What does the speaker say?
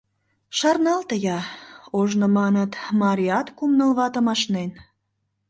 Шарналте-я, ожно, маныт, марият кум-ныл ватым ашнен.